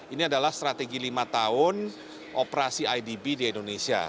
ini adalah strategi lima tahun operasi idb di indonesia